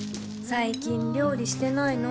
最近料理してないの？